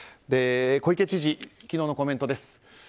小池知事の昨日のコメントです。